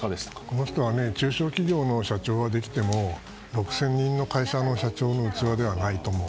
この人は中小企業の社長はできても６０００人の会社の社長の器ではないと思う。